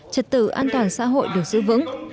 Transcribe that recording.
trật tự an toàn xã hội được giữ vững